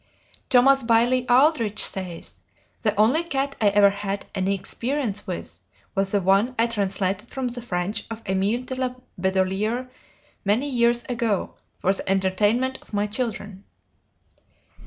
Thomas Bailey Aldrich says, "The only cat I ever had any experience with was the one I translated from the French of Émile de La Bédolliérre many years ago for the entertainment of my children."